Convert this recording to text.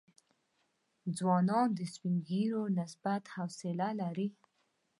ځوانان د سپین ږیرو نسبت حوصله لري.